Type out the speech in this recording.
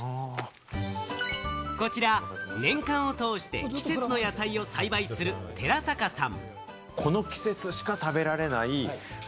こちら、年間を通して季節の野菜を栽培する寺坂さん。